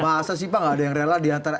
masa sih pak nggak ada yang rela di antara